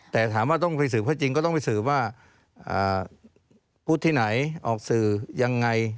แต่ถามว่าต้องไปสืบเขาจริงก็ต้องไปสืบว่าพูดที่ไหนออกสื่อยังไง